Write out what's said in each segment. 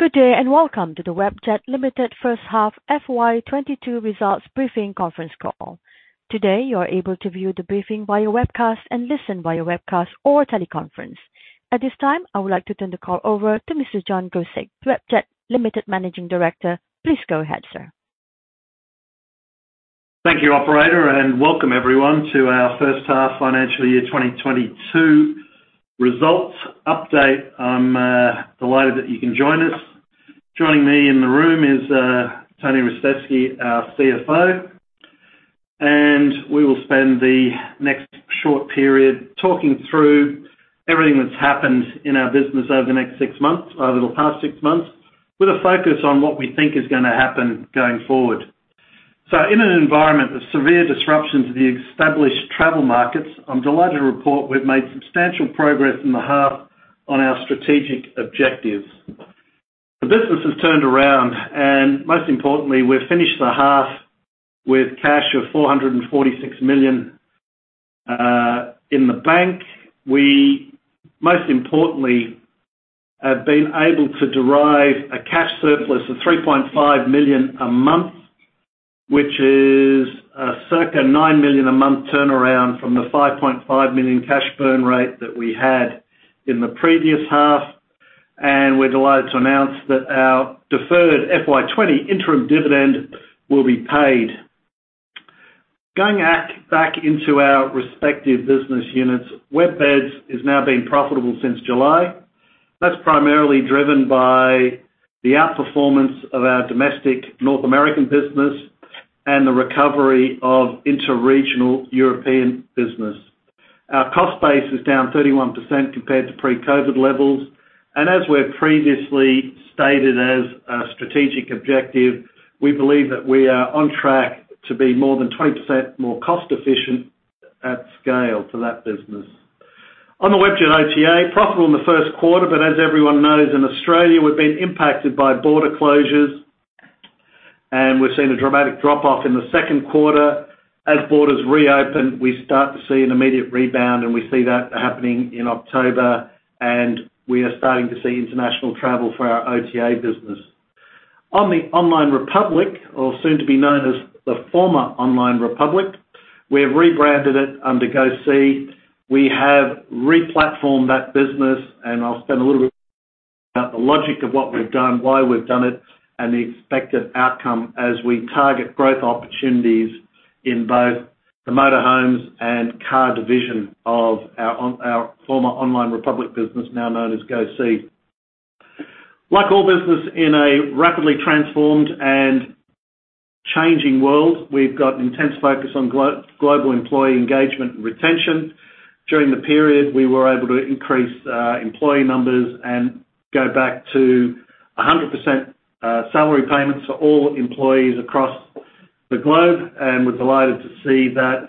Good day, and welcome to the Webjet Limited first half FY 2022 results briefing conference call. Today, you are able to view the briefing by a webcast and listen by a webcast or a teleconference. At this time, I would like to turn the call over to Mr. John Guscic, Webjet Limited Managing Director. Please go ahead, sir. Thank you, operator, and welcome everyone to our first half financial year 2022 results update. I'm delighted that you can join us. Joining me in the room is Tony Ristevski, our CFO. We will spend the next short period talking through everything that's happened in our business over the past six months, with a focus on what we think is gonna happen going forward. In an environment of severe disruption to the established travel markets, I'm delighted to report we've made substantial progress in the half on our strategic objectives. The business has turned around, and most importantly, we've finished the half with cash of 446 million in the bank. We most importantly have been able to derive a cash surplus of 3.5 million a month, which is a circa 9 million a month turnaround from the 5.5 million cash burn rate that we had in the previous half. We're delighted to announce that our deferred FY 2020 interim dividend will be paid. Going back into our respective business units, WebBeds is now being profitable since July. That's primarily driven by the outperformance of our domestic North American business and the recovery of inter-regional European business. Our cost base is down 31% compared to pre-COVID levels. As we have previously stated as a strategic objective, we believe that we are on track to be more than 20% more cost-efficient at scale for that business. On the Webjet OTA, profitable in the first quarter, but as everyone knows, in Australia, we've been impacted by border closures, and we've seen a dramatic drop-off in the second quarter. As borders reopen, we start to see an immediate rebound, and we see that happening in October, and we are starting to see international travel for our OTA business. On the Online Republic or soon to be known as the former Online Republic, we have rebranded it under GoSee. We have re-platformed that business, and I'll spend a little bit about the logic of what we've done, why we've done it, and the expected outcome as we target growth opportunities in both the motor homes and car division of our former Online Republic business, now known as GoSee. Like all business in a rapidly transformed and changing world, we've got intense focus on global employee engagement and retention. During the period, we were able to increase employee numbers and go back to 100% salary payments for all employees across the globe. We're delighted to see that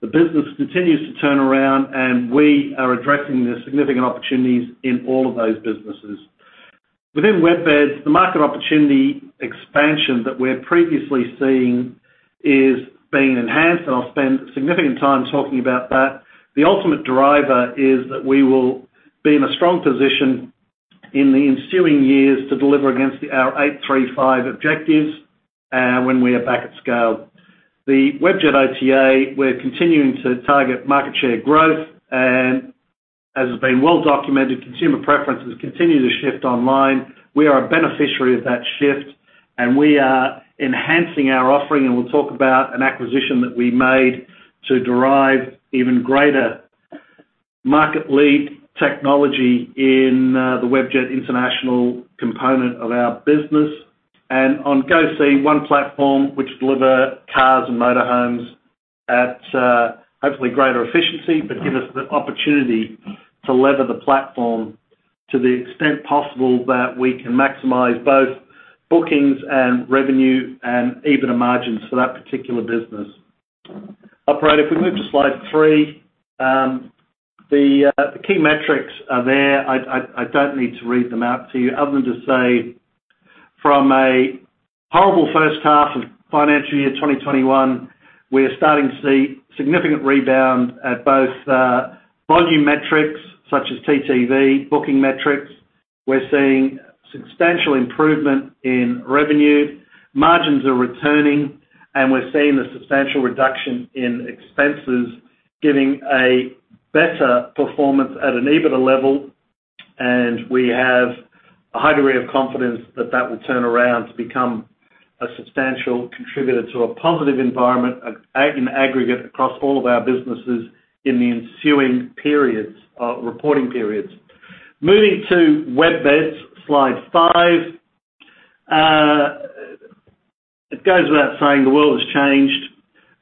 the business continues to turn around, and we are addressing the significant opportunities in all of those businesses. Within WebBeds, the market opportunity expansion that we're previously seeing is being enhanced, and I'll spend significant time talking about that. The ultimate driver is that we will be in a strong position in the ensuing years to deliver against our 8/3/5 objectives when we are back at scale. The Webjet OTA, we're continuing to target market share growth, and as has been well documented, consumer preferences continue to shift online. We are a beneficiary of that shift, and we are enhancing our offering, and we'll talk about an acquisition that we made to derive even greater market-leading technology in the Webjet International component of our business. On GoSee, one platform which deliver cars and motor homes at hopefully greater efficiency, but give us the opportunity to leverage the platform to the extent possible that we can maximize both bookings and revenue and EBITDA margins for that particular business. Operator, if we move to Slide 3, the key metrics are there. I don't need to read them out to you other than to say from a horrible first half of financial year 2021, we're starting to see significant rebound at both volume metrics such as TTV, booking metrics. We're seeing substantial improvement in revenue. Margins are returning, and we're seeing a substantial reduction in expenses, giving a better performance at an EBITDA level. We have a high degree of confidence that that will turn around to become a substantial contributor to a positive environment at an aggregate across all of our businesses in the ensuing periods, reporting periods. Moving to WebBeds, Slide 5. It goes without saying the world has changed,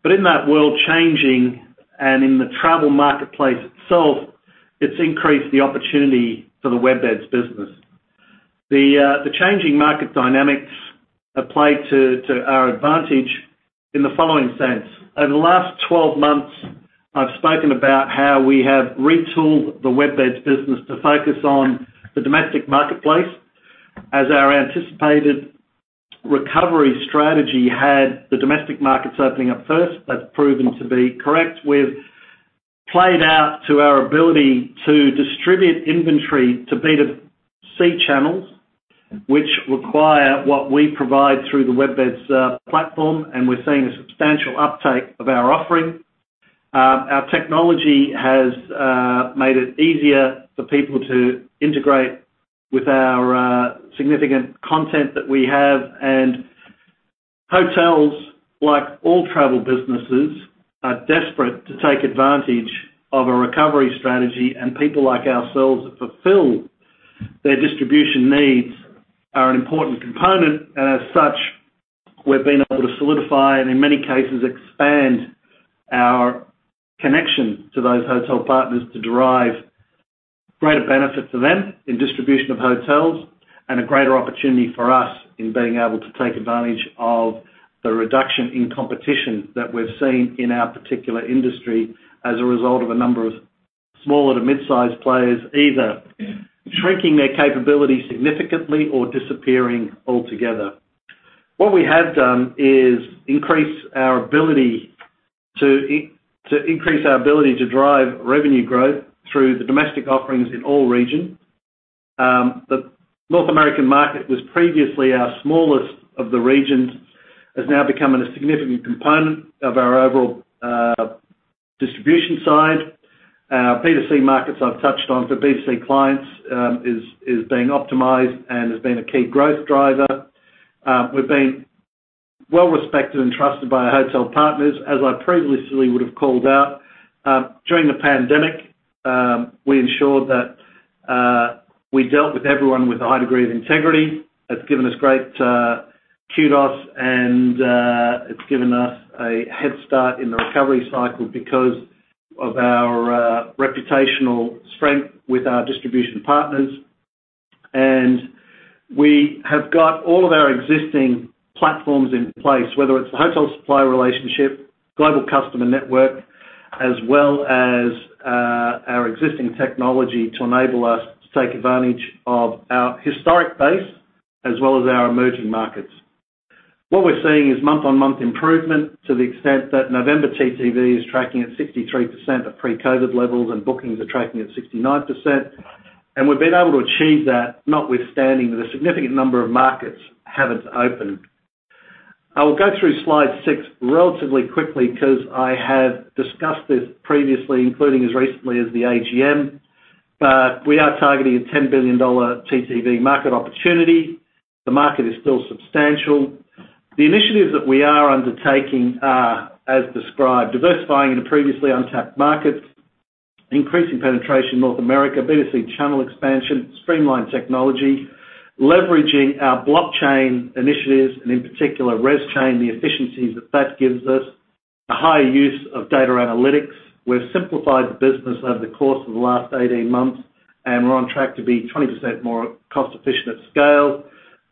but in that world changing and in the travel marketplace itself, it's increased the opportunity for the WebBeds business. The changing market dynamics have played to our advantage in the following sense. Over the last 12 months, I've spoken about how we have retooled the WebBeds business to focus on the domestic marketplace as our anticipated recovery strategy had the domestic markets opening up first. That's proven to be correct, as it played out to our ability to distribute inventory to B2C channels, which require what we provide through the WebBeds platform, and we're seeing a substantial uptake of our offering. Our technology has made it easier for people to integrate with our significant content that we have. Hotels, like all travel businesses, are desperate to take advantage of a recovery strategy, and people like ourselves that fulfill their distribution needs are an important component. As such, we've been able to solidify and, in many cases, expand our connection to those hotel partners to derive greater benefit to them in distribution of hotels, and a greater opportunity for us in being able to take advantage of the reduction in competition that we're seeing in our particular industry as a result of a number of smaller to mid-size players, either shrinking their capability significantly or disappearing altogether. What we have done is increase our ability to drive revenue growth through the domestic offerings in all regions. The North American market was previously our smallest of the regions. It's now becoming a significant component of our overall distribution side. Our B2C markets, I've touched on, the B2C clients, is being optimized and has been a key growth driver. We've been well-respected and trusted by our hotel partners, as I previously would have called out. During the pandemic, we ensured that we dealt with everyone with a high degree of integrity. That's given us great kudos and it's given us a head start in the recovery cycle because of our reputational strength with our distribution partners. We have got all of our existing platforms in place, whether it's the hotel supplier relationship, global customer network, as well as our existing technology to enable us to take advantage of our historic base, as well as our emerging markets. What we're seeing is month-on-month improvement to the extent that November TTV is tracking at 63% of pre-COVID levels and bookings are tracking at 69%. We've been able to achieve that, notwithstanding that a significant number of markets haven't opened. I will go through Slide 6 relatively quickly 'cause I have discussed this previously, including as recently as the AGM. We are targeting an 10 billion dollar TTV market opportunity. The market is still substantial. The initiatives that we are undertaking are as described, diversifying in previously untapped markets, increasing penetration in North America, B2C channel expansion, streamlined technology, leveraging our blockchain initiatives, and in particular Rezchain, the efficiencies that that gives us, a high use of data analytics. We've simplified the business over the course of the last 18 months, and we're on track to be 20% more cost-efficient at scale,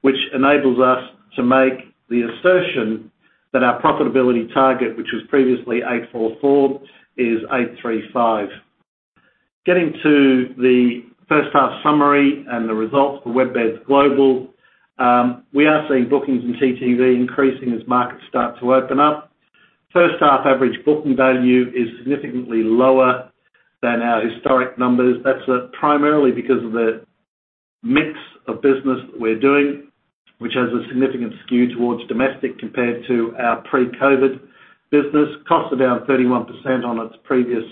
which enables us to make the assertion that our profitability target, which was previously 8/4/4, is 8/3/5. Getting to the first half summary and the results for WebBeds Global, we are seeing bookings in TTV increasing as markets start to open up. First half average booking value is significantly lower than our historic numbers. That's primarily because of the mix of business that we're doing, which has a significant skew towards domestic compared to our pre-COVID business. Cost base 31% on its previous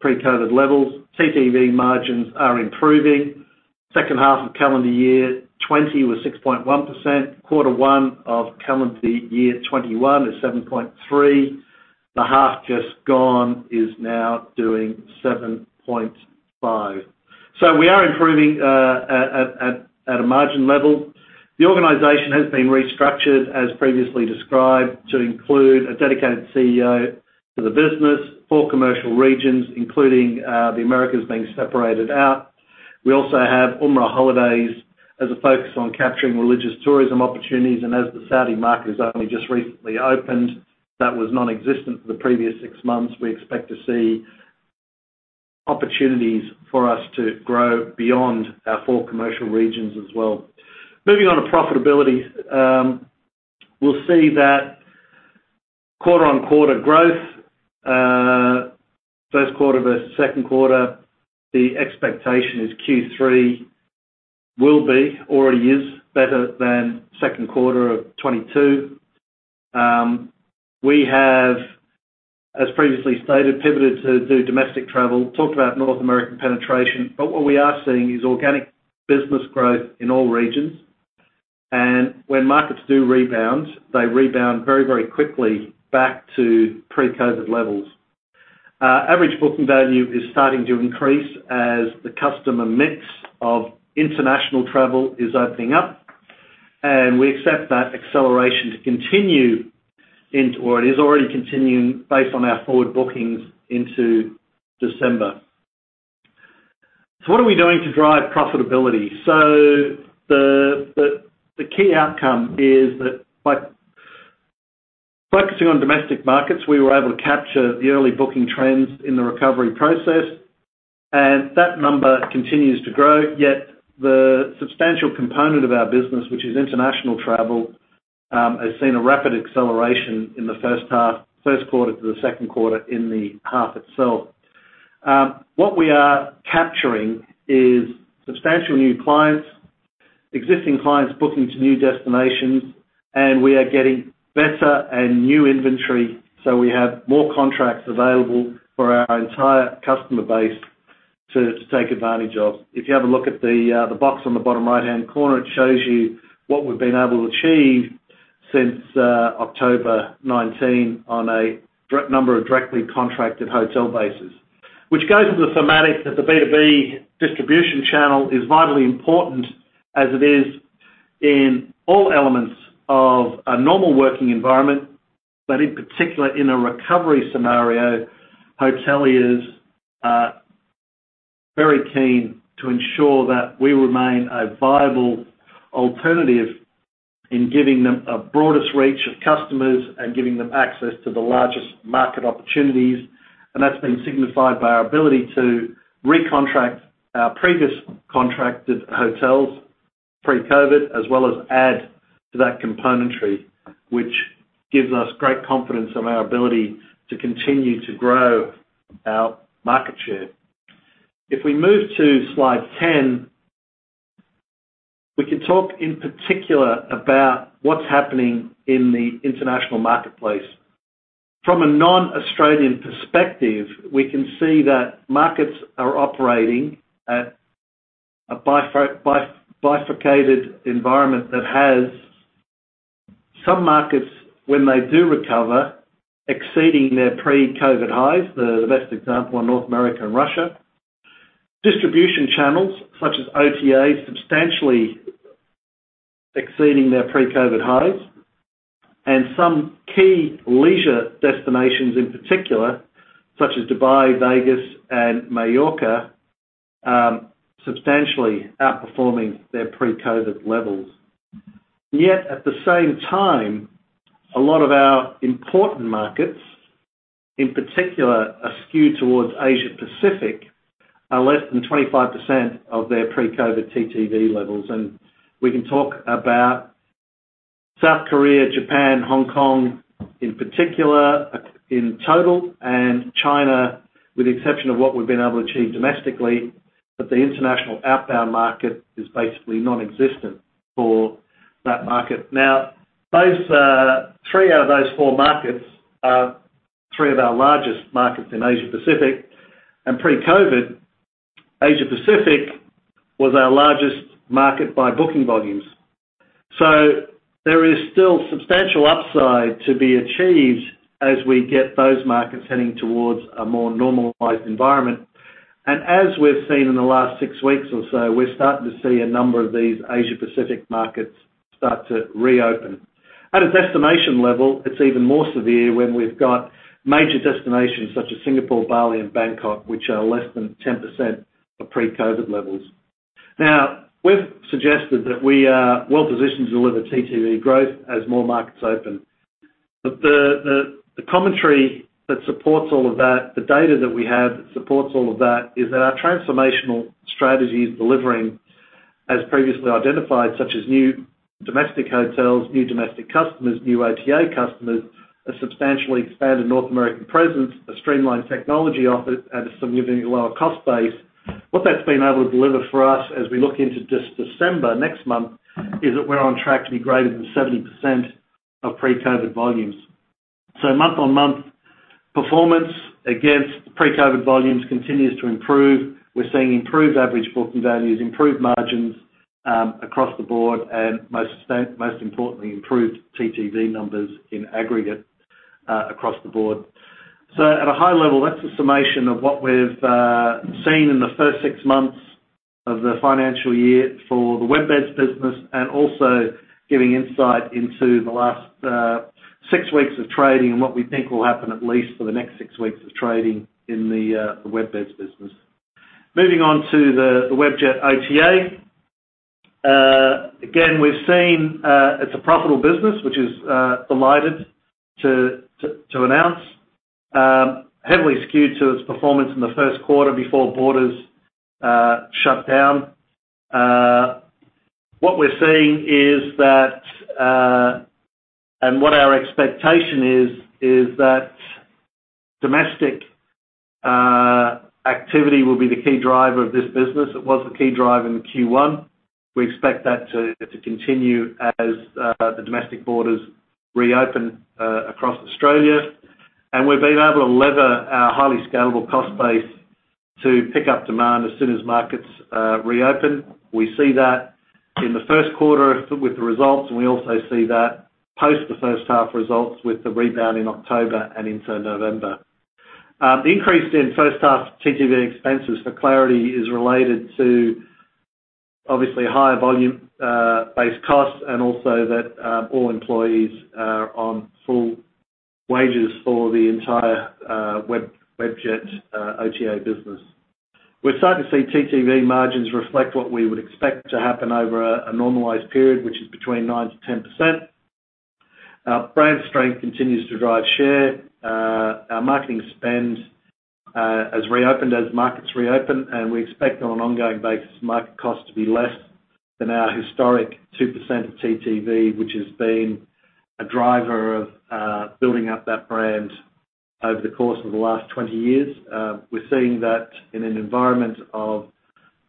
pre-COVID levels. TTV margins are improving. Second half of calendar year 2020 was 6.1%. Quarter one of calendar year 2021 is 7.3%. The half just gone is now doing 7.5%. We are improving at a margin level. The organization has been restructured, as previously described, to include a dedicated CEO for the business, four commercial regions, including the Americas being separated out. We also have Umrah Holidays International as a focus on capturing religious tourism opportunities. As the Saudi market has only just recently opened, that was nonexistent for the previous six months, we expect to see opportunities for us to grow beyond our four commercial regions as well. Moving on to profitability, we'll see that quarter-on-quarter growth, first quarter versus second quarter, the expectation is Q3 will be, already is, better than second quarter of 2022. We have, as previously stated, pivoted to do domestic travel. Talked about North American penetration, but what we are seeing is organic business growth in all regions. When markets do rebound, they rebound very, very quickly back to pre-COVID levels. Average booking value is starting to increase as the customer mix of international travel is opening up, and we accept that acceleration to continue into. It is already continuing based on our forward bookings into December. What are we doing to drive profitability? The key outcome is that by focusing on domestic markets, we were able to capture the early booking trends in the recovery process. That number continues to grow, yet the substantial component of our business, which is international travel, has seen a rapid acceleration in the first quarter to the second quarter in the half itself. What we are capturing is substantial new clients, existing clients booking to new destinations, and we are getting better and new inventory, so we have more contracts available for our entire customer base to take advantage of. If you have a look at the box on the bottom right-hand corner, it shows you what we've been able to achieve since October 2019 on a number of directly contracted hotel bases. Which goes with the thematic that the B2B distribution channel is vitally important as it is in all elements of a normal working environment, but in particular in a recovery scenario, hoteliers are very keen to ensure that we remain a viable alternative in giving them a broadest reach of customers and giving them access to the largest market opportunities. That's been signified by our ability to recontract our previous contracted hotels pre-COVID, as well as add to that componentry, which gives us great confidence in our ability to continue to grow our market share. If we move to Slide 10, we can talk in particular about what's happening in the international marketplace. From a non-Australian perspective, we can see that markets are operating at a bifurcated environment that has some markets when they do recover, exceeding their pre-COVID highs, the best example are North America and Russia. Distribution channels such as OTAs substantially exceeding their pre-COVID highs. Some key leisure destinations in particular, such as Dubai, Vegas, and Mallorca, substantially outperforming their pre-COVID levels. Yet at the same time, a lot of our important markets, in particular, are skewed towards Asia-Pacific, are less than 25% of their pre-COVID TTV levels. We can talk about South Korea, Japan, Hong Kong, in particular, in total, and China, with the exception of what we've been able to achieve domestically, but the international outbound market is basically nonexistent for that market. Now, those, three out of those four markets are three of our largest markets in Asia-Pacific. pre-COVID, Asia-Pacific was our largest market by booking volumes. There is still substantial upside to be achieved as we get those markets heading towards a more normalized environment. As we've seen in the last six weeks or so, we're starting to see a number of these Asia-Pacific markets start to reopen. At a destination level, it's even more severe when we've got major destinations such as Singapore, Bali, and Bangkok, which are less than 10% of pre-COVID levels. Now, we've suggested that we are well-positioned to deliver TTV growth as more markets open. The commentary that supports all of that, the data that we have that supports all of that, is that our transformational strategy is delivering as previously identified, such as new domestic hotels, new domestic customers, new OTA customers, a substantially expanded North American presence, a streamlined technology office, and a significantly lower cost base. What that's been able to deliver for us as we look into December, next month, is that we're on track to be greater than 70% of pre-COVID volumes. Month-on-month, performance against pre-COVID volumes continues to improve. We're seeing improved average booking values, improved margins, across the board, and most importantly, improved TTV numbers in aggregate, across the board. At a high level, that's a summation of what we've seen in the first six months of the financial year for the WebBeds business and also giving insight into the last six weeks of trading and what we think will happen at least for the next six weeks of trading in the WebBeds business. Moving on to the Webjet OTA. Again, we've seen it's a profitable business, which we're delighted to announce heavily skewed to its performance in the first quarter before borders shut down. What we're seeing is that and what our expectation is that domestic activity will be the key driver of this business. It was the key driver in Q1. We expect that to continue as the domestic borders reopen across Australia. We've been able to lever our highly scalable cost base to pick up demand as soon as markets reopen. We see that in the first quarter with the results, and we also see that post the first half results with the rebound in October and into November. The increase in first half TTV expenses, for clarity, is related to obviously higher volume, base costs and also that all employees are on full wages for the entire Webjet OTA business. We're starting to see TTV margins reflect what we would expect to happen over a normalized period, which is between 9%-10%. Our brand strength continues to drive share. Our marketing spend has reopened as markets reopen, and we expect on an ongoing basis marketing costs to be less than our historic 2% TTV, which has been a driver of building up that brand over the course of the last 20 years. We're seeing that in an environment of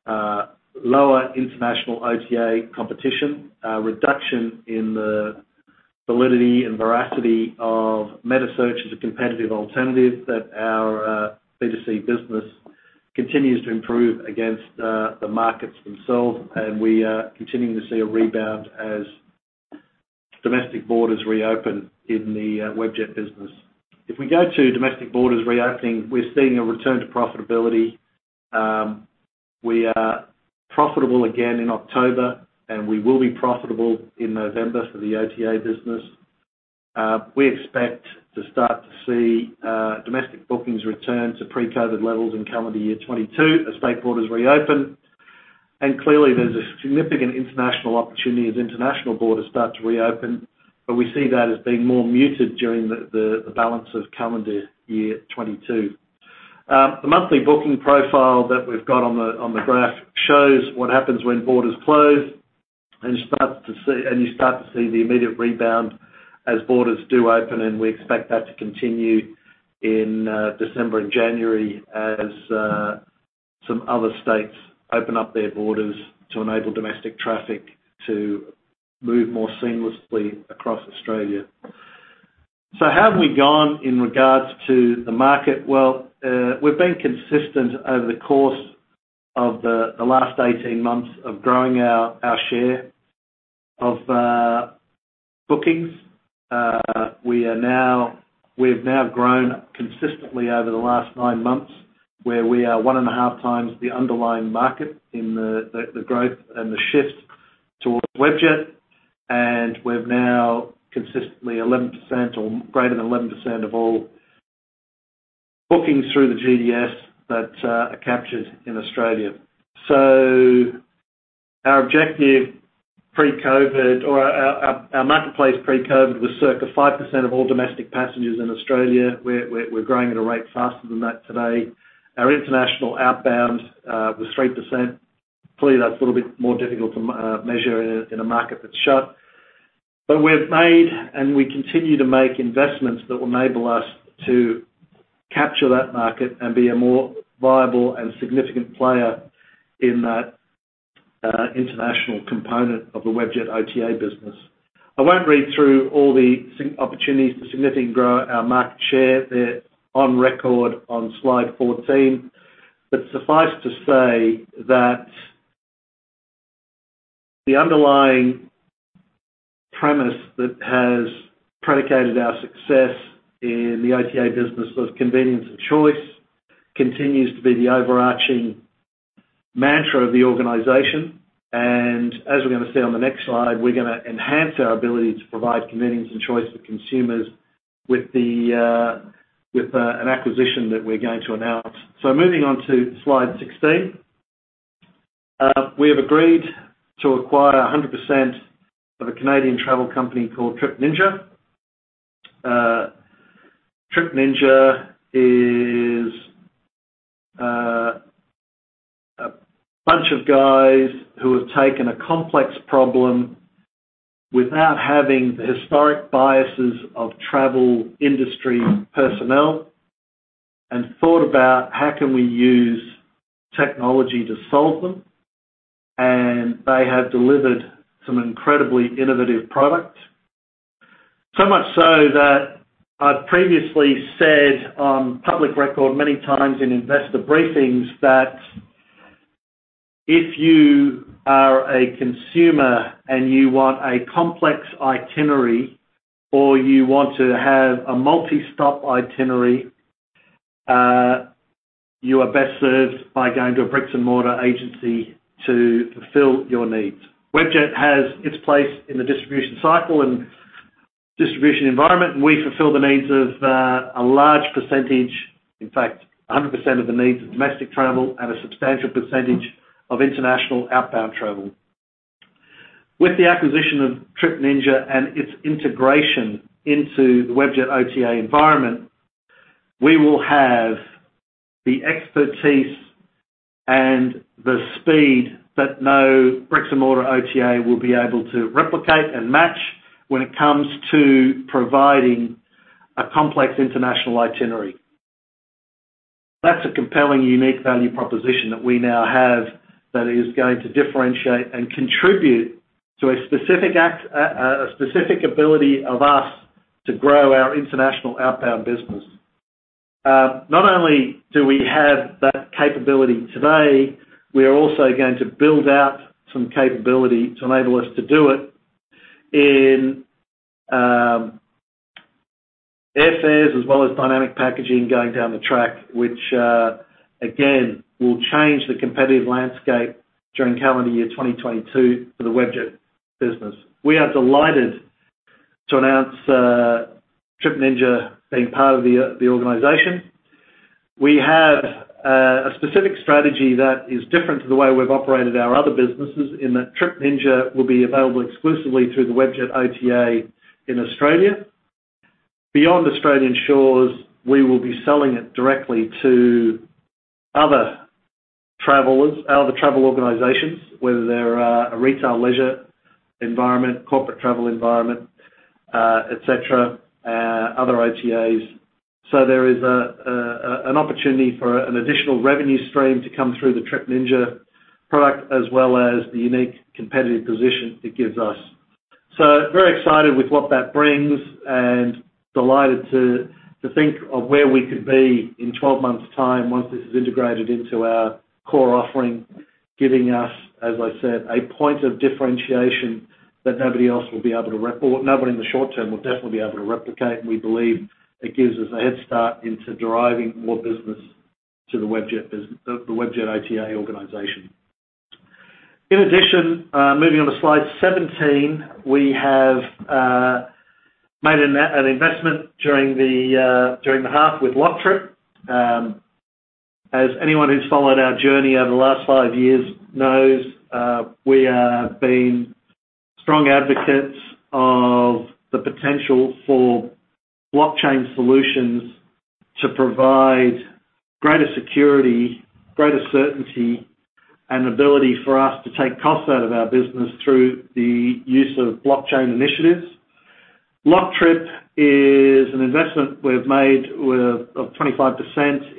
lower international OTA competition, reduction in the validity and veracity of metasearch as a competitive alternative that our B2C business continues to improve against the markets themselves, and we are continuing to see a rebound as domestic borders reopen in the Webjet business. If we go to domestic borders reopening, we're seeing a return to profitability. We are profitable again in October, and we will be profitable in November for the OTA business. We expect to start to see domestic bookings return to pre-COVID levels in calendar year 2022 as state borders reopen. Clearly, there's a significant international opportunity as international borders start to reopen, but we see that as being more muted during the balance of calendar year 2022. The monthly booking profile that we've got on the graph shows what happens when borders close, and you start to see the immediate rebound as borders do open, and we expect that to continue in December and January as some other states open up their borders to enable domestic traffic to move more seamlessly across Australia. How have we gone in regards to the market? Well, we've been consistent over the course of the last 18 months of growing our share of bookings. We are now. We've now grown consistently over the last nine months, where we are 1.5x the underlying market in the growth and the shift towards Webjet. We're now consistently 11% or greater than 11% of all bookings through the GDS that are captured in Australia. Our objective pre-COVID or our marketplace pre-COVID was circa 5% of all domestic passengers in Australia. We're growing at a rate faster than that today. Our international outbound was 3%. Clearly, that's a little bit more difficult to measure in a market that's shut. We've made, and we continue to make investments that will enable us to capture that market and be a more viable and significant player in that international component of the Webjet OTA business. I won't read through all the opportunities to significantly grow our market share. They're on record on Slide 14. Suffice to say that the underlying premise that has predicated our success in the OTA business of convenience and choice continues to be the overarching mantra of the organization. As we're gonna see on the next slide, we're gonna enhance our ability to provide convenience and choice to consumers with an acquisition that we're going to announce. Moving on to Slide 16. We have agreed to acquire 100% of a Canadian travel company called Trip Ninja. Trip Ninja is a bunch of guys who have taken a complex problem without having the historic biases of travel industry personnel and thought about how can we use technology to solve them. They have delivered some incredibly innovative products. So much so that I've previously said on public record many times in investor briefings that if you are a consumer and you want a complex itinerary or you want to have a multi-stop itinerary, you are best served by going to a bricks-and-mortar agency to fulfill your needs. Webjet has its place in the distribution cycle and distribution environment, and we fulfill the needs of a large percentage, in fact, 100% of the needs of domestic travel and a substantial percentage of international outbound travel. With the acquisition of Trip Ninja and its integration into the Webjet OTA environment, we will have the expertise and the speed that no bricks-and-mortar OTA will be able to replicate and match when it comes to providing a complex international itinerary. That's a compelling, unique value proposition that we now have that is going to differentiate and contribute to a specific ability of us to grow our international outbound business. Not only do we have that capability today, we are also going to build out some capability to enable us to do it in airfares as well as dynamic packaging going down the track, which again will change the competitive landscape during calendar year 2022 for the Webjet business. We are delighted to announce Trip Ninja being part of the organization. We have a specific strategy that is different to the way we've operated our other businesses in that Trip Ninja will be available exclusively through the Webjet OTA in Australia. Beyond Australian shores, we will be selling it directly to other travelers, other travel organizations, whether they're a retail leisure environment, corporate travel environment, et cetera, other OTAs. There is an opportunity for an additional revenue stream to come through the Trip Ninja product, as well as the unique competitive position it gives us. Very excited with what that brings and delighted to think of where we could be in 12 months time once this is integrated into our core offering, giving us, as I said, a point of differentiation that nobody else will be able to replicate or nobody in the short term will definitely be able to replicate. We believe it gives us a head start into driving more business to the Webjet OTA organization. In addition, moving on to Slide 17, we have made an investment during the half with LockTrip. As anyone who's followed our journey over the last five years knows, we have been strong advocates of the potential for blockchain solutions to provide greater security, greater certainty, and ability for us to take costs out of our business through the use of blockchain initiatives. LockTrip is an investment we've made with 25%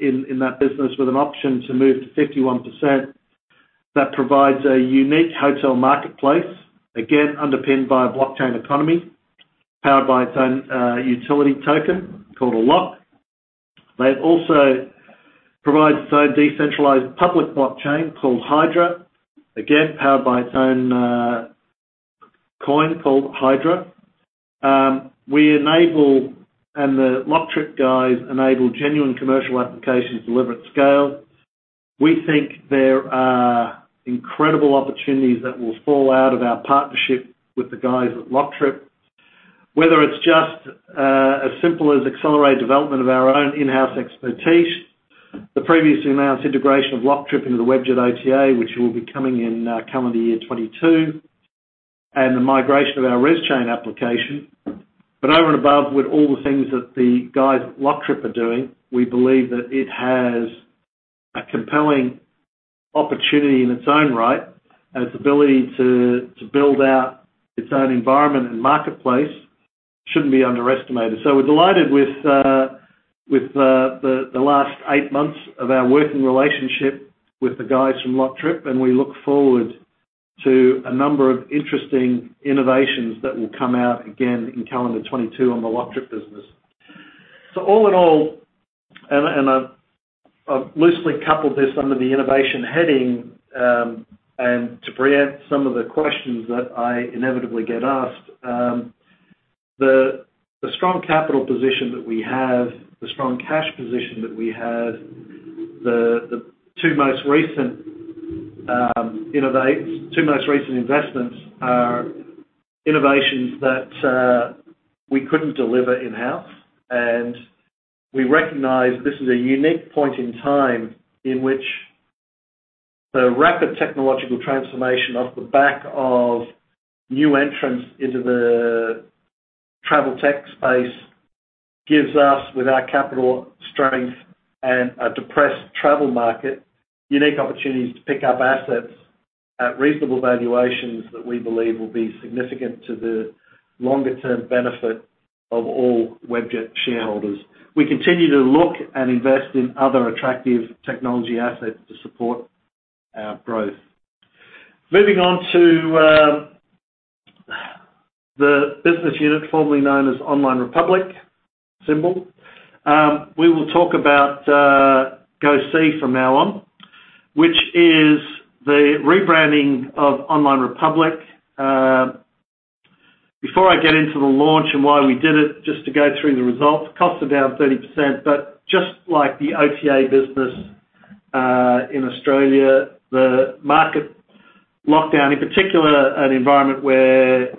in that business, with an option to move to 51%. That provides a unique hotel marketplace, again, underpinned by a blockchain economy, powered by its own utility token called LOC. They also provide its own decentralized public blockchain called Hydra, again, powered by its own coin called HYDRA. The LockTrip guys enable genuine commercial applications delivered scale. We think there are incredible opportunities that will fall out of our partnership with the guys at LockTrip, whether it's just as simple as accelerated development of our own in-house expertise, the previously announced integration of LockTrip into the Webjet OTA, which will be coming in calendar year 2022, and the migration of our Rezchain application. Over and above, with all the things that the guys at LockTrip are doing, we believe that it has a compelling opportunity in its own right, and its ability to build out its own environment and marketplace shouldn't be underestimated. We're delighted with the last eight months of our working relationship with the guys from LockTrip, and we look forward to a number of interesting innovations that will come out again in calendar 2022 on the LockTrip business. All in all, I've loosely coupled this under the innovation heading, and to pre-empt some of the questions that I inevitably get asked, the strong capital position that we have, the strong cash position that we have, the two most recent investments are innovations that we couldn't deliver in-house. We recognize this is a unique point in time in which the rapid technological transformation off the back of new entrants into the travel tech space gives us, with our capital strength and a depressed travel market, unique opportunities to pick up assets at reasonable valuations that we believe will be significant to the longer term benefit of all Webjet shareholders. We continue to look and invest in other attractive technology assets to support our growth. Moving on to the business unit formerly known as Online Republic, Symbol. We will talk about GoSee from now on, which is the rebranding of Online Republic. Before I get into the launch and why we did it, just to go through the results. Costs are down 30%, but just like the OTA business in Australia, the market lockdown, in particular, an environment where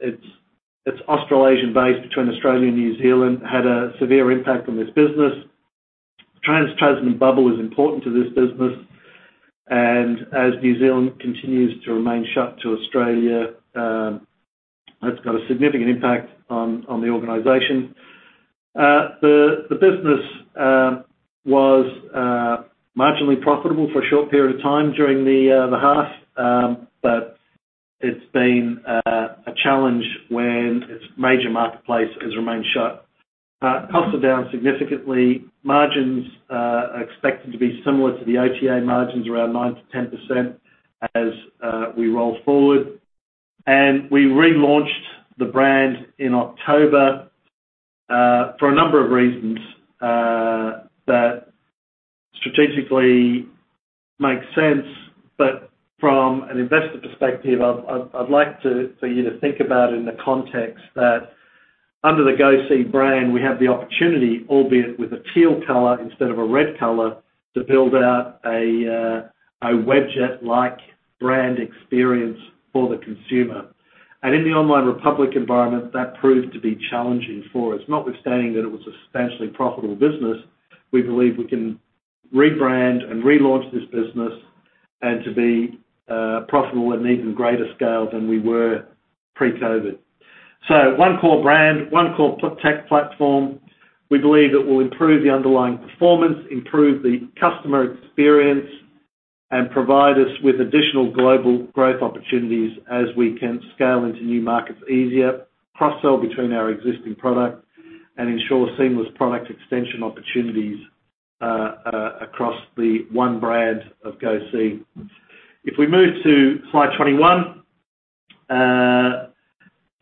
it's Australasian-based between Australia and New Zealand, had a severe impact on this business. Trans-Tasman bubble is important to this business, and as New Zealand continues to remain shut to Australia, that's got a significant impact on the organization. The business was marginally profitable for a short period of time during the half, but it's been a challenge when its major marketplace has remained shut. Costs are down significantly. Margins are expected to be similar to the OTA margins, around 9%-10% as we roll forward. We relaunched the brand in October for a number of reasons that strategically make sense. From an investor perspective, I'd like you to think about in the context that under the GoSee brand, we have the opportunity, albeit with a teal color instead of a red color, to build out a Webjet-like brand experience for the consumer. In the Online Republic environment, that proved to be challenging for us. Notwithstanding that it was a substantially profitable business, we believe we can rebrand and relaunch this business and to be profitable at an even greater scale than we were pre-COVID. One core brand, one core tech platform. We believe it will improve the underlying performance, improve the customer experience, and provide us with additional global growth opportunities as we can scale into new markets easier, cross-sell between our existing product, and ensure seamless product extension opportunities across the one brand of GoSee. If we move to Slide 21,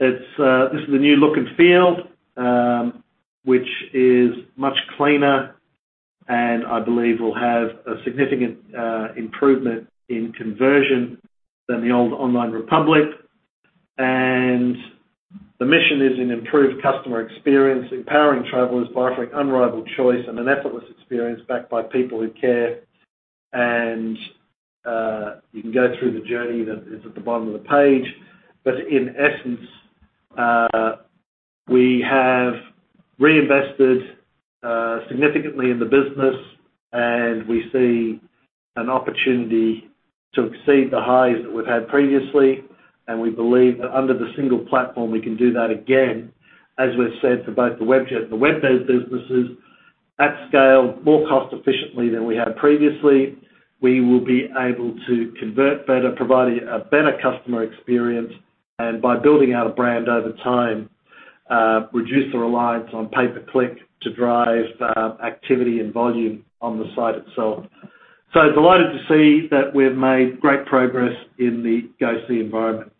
this is the new look and feel, which is much cleaner and I believe will have a significant improvement in conversion than the old Online Republic. The mission is an improved customer experience, empowering travelers by offering unrivaled choice and an effortless experience backed by people who care. You can go through the journey that is at the bottom of the page. In essence, we have reinvested significantly in the business and we see an opportunity to exceed the highs that we've had previously. We believe that under the single platform, we can do that again, as we've said for both the Webjet and the Webjet businesses, at scale, more cost efficiently than we have previously. We will be able to convert better, providing a better customer experience, and by building out a brand over time, reduce the reliance on pay-per-click to drive activity and volume on the site itself. Delighted to see that we've made great progress in the GoSee environment.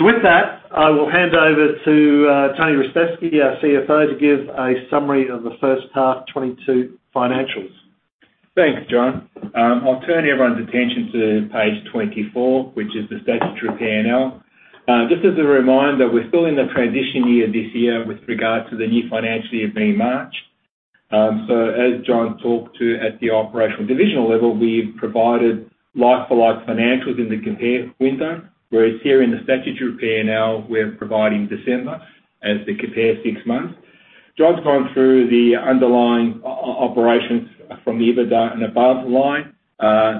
With that, I will hand over to Tony Ristevski, our CFO, to give a summary of the first half 2022 financials. Thanks, John. I'll turn everyone's attention to Page 24, which is the statutory P&L. Just as a reminder, we're still in the transition year this year with regard to the new financial year being March. As John talked to at the operational divisional level, we've provided like-for-like financials in the compare window. Whereas here in the statutory P&L, we're providing December as the compare six months. John's gone through the underlying operations from the EBITDA and above line,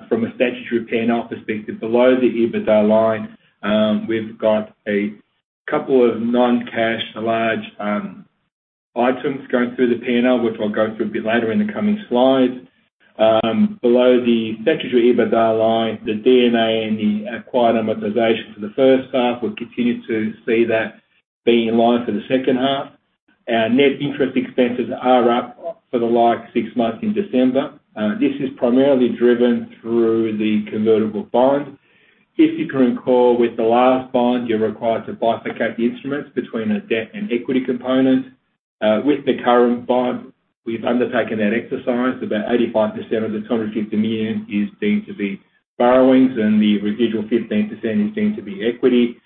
from a statutory P&L perspective. Below the EBITDA line, we've got a couple of non-cash, large, items going through the P&L, which I'll go through a bit later in the coming slides. Below the statutory EBITDA line, the D&A and the Acquired Amortization for the first half, we've continued to see that being in line for the second half. Our net interest expenses are up for the like-for-like six months in December. This is primarily driven through the convertible bond. If you can recall with the last bond, you're required to bifurcate the instruments between a debt and equity component. With the current bond, we've undertaken that exercise. About 85% of the 250 million is deemed to be borrowings, and the residual 15% is deemed to be equity.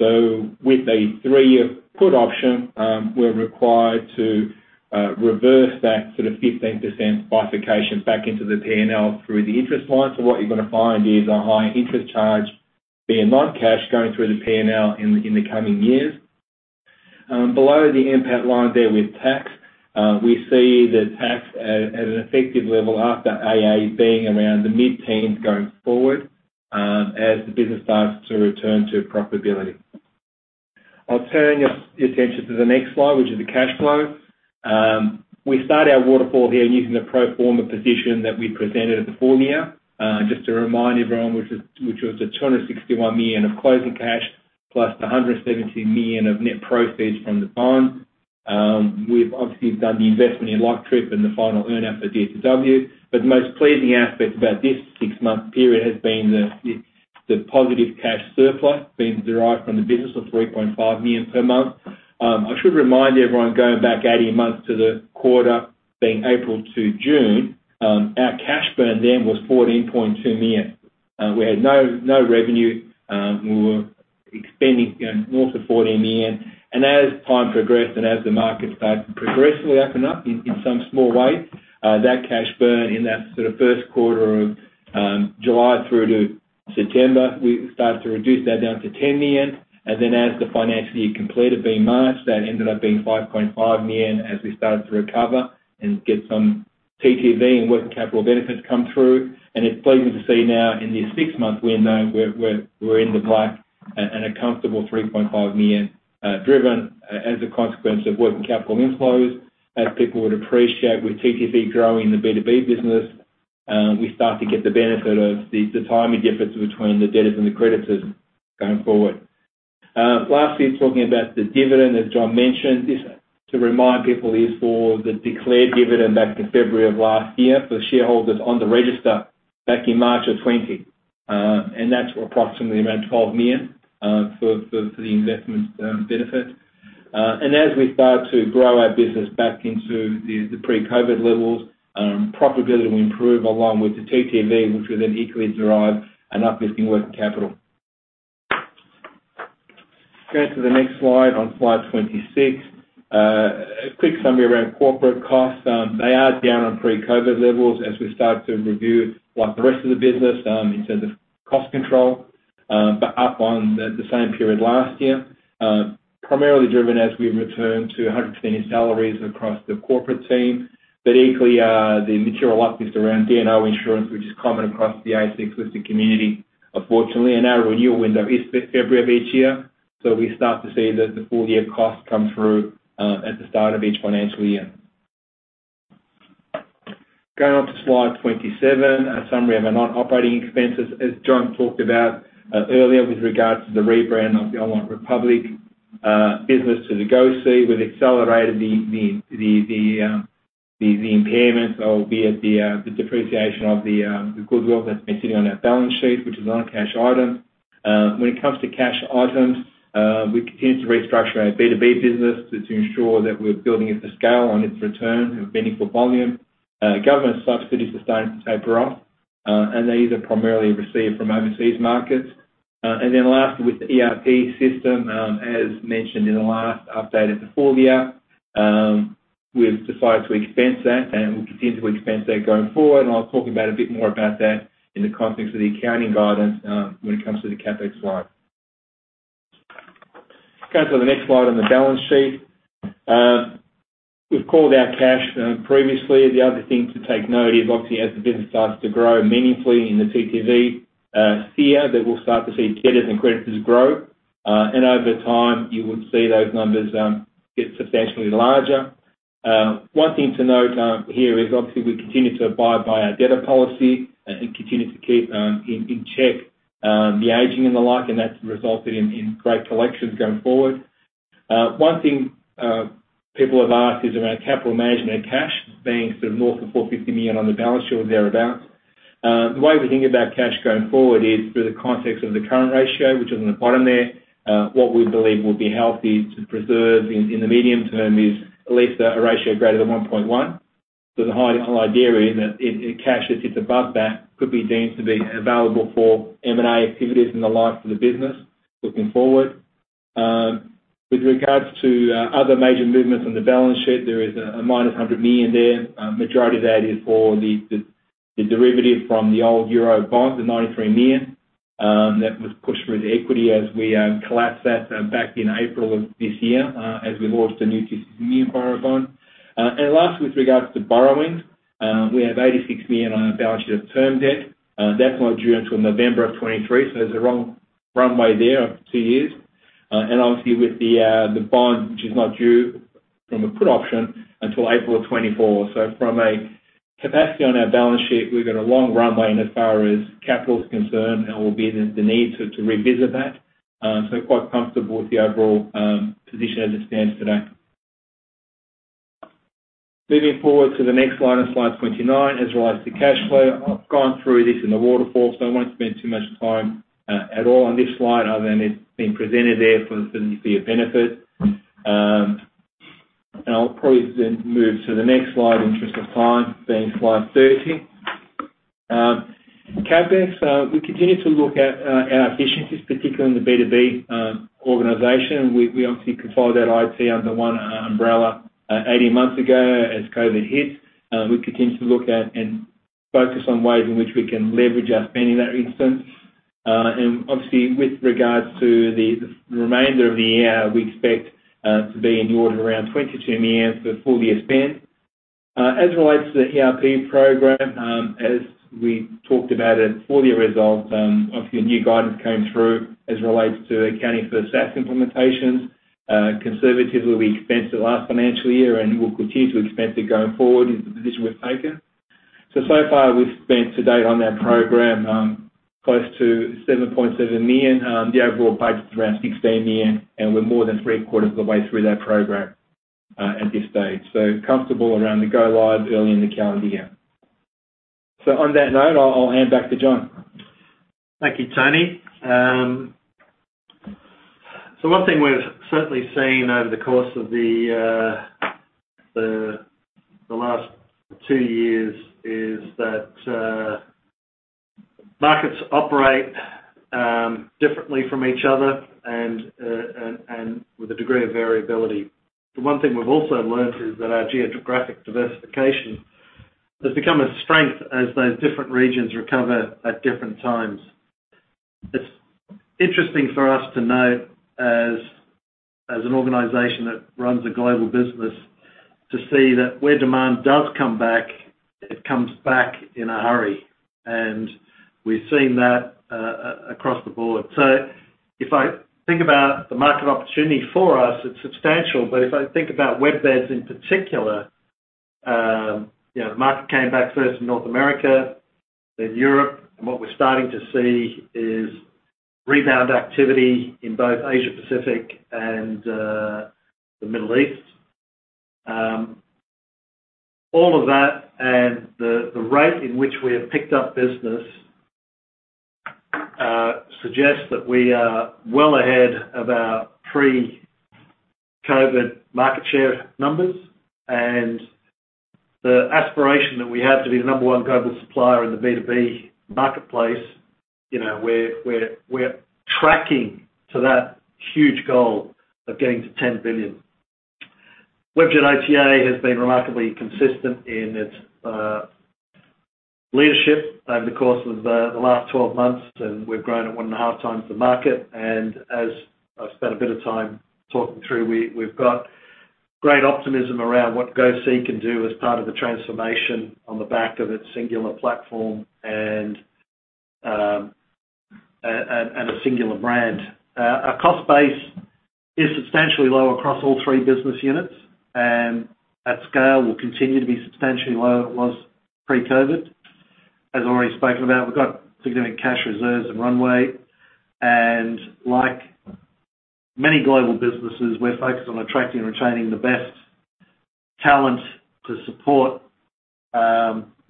With a three-year put option, we're required to reverse back sort of 15% bifurcation back into the P&L through the interest line. What you're gonna find is a high interest charge being non-cash going through the P&L in the coming years. Below the NPAT line there with tax, we see the tax at an effective level after AA being around the mid-teens going forward, as the business starts to return to profitability. I'll turn your attention to the next slide, which is the cash flow. We start our waterfall here using the pro forma position that we presented at the full year. Just to remind everyone, which was the 261 million of closing cash plus the 170 million of net proceeds from the bond. We've obviously done the investment in LockTrip and the final earn-out for DOTW. The most pleasing aspect about this six-month period has been the positive cash surplus being derived from the business of 3.5 million per month. I should remind everyone going back 18 months to the quarter being April to June, our cash burn then was 14.2 million. We had no revenue. We were expanding, you know, north of 14 million. As time progressed and as the market started to progressively open up in some small ways, that cash burn in that sort of first quarter of July through to September we started to reduce that down to 10 million. Then as the financial year completed, being March, that ended up being 5.5 million as we started to recover and get some TTV and working capital benefits come through. It's pleasing to see now in this six-month window, we're in the black at a comfortable 3.5 million, driven as a consequence of working capital inflows. As people would appreciate, with TTV growing the B2B business, we start to get the benefit of the timing difference between the debtors and the creditors going forward. Lastly, talking about the dividend, as John mentioned, this, to remind people, is for the declared dividend back to February of last year for shareholders on the register back in March 2020. That's approximately around 12 million for the investment benefit. As we start to grow our business back into the pre-COVID levels, profitability will improve along with the TTV, which will then equally drive an uplifting working capital. Go to the next slide, on Slide 26. A quick summary around corporate costs. They are down on pre-COVID levels as we start to review, like the rest of the business, in terms of cost control, but up on the same period last year, primarily driven as we return to 100% in salaries across the corporate team. Equally, the material uplift is around D&O insurance, which is common across the ASX-listed community. Unfortunately, and our renewal window is February of each year, so we start to see the full-year costs come through at the start of each financial year. Going on to Slide 27, a summary of our non-operating expenses, as John talked about earlier with regards to the rebrand of the Online Republic business to the GoSee. We've accelerated the impairment, albeit the depreciation of the goodwill that's been sitting on our balance sheet, which is not a cash item. When it comes to cash items, we continue to restructure our B2B business to ensure that we're building it to scale on its return and bidding for volume. Government subsidies continue to taper off, and these are primarily received from overseas markets. Lastly with the ERP system, as mentioned in the last update of the full year, we've decided to expense that and we'll continue to expense that going forward. I'll talk a bit more about that in the context of the accounting guidance when it comes to the CapEx slide. Going to the next slide on the balance sheet. We've called our cash previously. The other thing to take note is obviously as the business starts to grow meaningfully in the TTV sphere, that we'll start to see debtors and creditors grow. Over time, you would see those numbers get substantially larger. One thing to note here is obviously we continue to abide by our debtor policy and continue to keep in check the aging and the like, and that's resulted in great collections going forward. One thing people have asked is around capital management and cash being sort of north of 450 million on the balance sheet or thereabout. The way we think about cash going forward is through the context of the current ratio, which is on the bottom there. What we believe would be healthy to preserve in the medium term is at least a ratio greater than 1.1. The high-level idea is that if cash sits above that, could be deemed to be available for M&A activities and the likes of the business looking forward. With regards to other major movements on the balance sheet, there is a -100 million there. Majority of that is for the derivative from the old euro bond, the 93 million, that was pushed through the equity as we collapsed that back in April of this year, as we launched a new 250 million euro bond. Lastly, with regards to borrowing, we have 86 million on our balance sheet of term debt. That's not due until November 2023, so there's a long runway there of two years. Obviously with the bond, which is not due from a put option until April 2024. From a capacity on our balance sheet, we've got a long runway in as far as capital is concerned and will be the need to revisit that. Quite comfortable with the overall position as it stands today. Moving forward to the next Slide 29, as relates to cash flow. I've gone through this in the waterfall, so I won't spend too much time at all on this slide other than it's being presented there for the sake of your benefit. I'll probably then move to the next slide in the interest of time, being Slide 30. CapEx, we continue to look at our efficiencies, particularly in the B2B organization. We obviously consolidated IT under one umbrella 18 months ago as COVID hit. We continue to look at and focus on ways in which we can leverage our spend in that instance. Obviously with regards to the remainder of the year, we expect to be in the order around 22 million for full year spend. As relates to the ERP program, as we talked about at full year results, obviously a new guidance came through as relates to accounting for SaaS implementations. Conservatively we expensed it last financial year and we'll continue to expense it going forward is the position we've taken. So far we've spent to date on that program close to 7.7 million. The overall budget is around 16 million, and we're more than three-quarters of the way through that program at this stage, comfortable around the go live early in the calendar year. On that note, I'll hand back to John. Thank you, Tony. One thing we've certainly seen over the course of the last two years is that markets operate differently from each other and with a degree of variability. The one thing we've also learned is that our geographic diversification has become a strength as those different regions recover at different times. It's interesting for us to note as an organization that runs a global business to see that where demand does come back, it comes back in a hurry. We've seen that across the board. If I think about the market opportunity for us, it's substantial. If I think about WebBeds in particular, the market came back first in North America, then Europe. What we're starting to see is rebound activity in both Asia-Pacific and the Middle East. All of that and the rate in which we have picked up business suggests that we are well ahead of our pre-COVID market share numbers. The aspiration that we have to be the number one global supplier in the B2B marketplace, you know, we're tracking to that huge goal of getting to 10 billion. Webjet OTA has been remarkably consistent in its leadership over the course of the last 12 months, and we've grown at 1.5 the market. As I've spent a bit of time talking through, we've got great optimism around what GoSee can do as part of the transformation on the back of its singular platform and a singular brand. Our cost base is substantially lower across all three business units, and that scale will continue to be substantially lower than it was pre-COVID. As I've already spoken about, we've got significant cash reserves and runway, and like many global businesses, we're focused on attracting and retaining the best talent to support